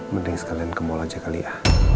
mending sekalian kemul aja kali ya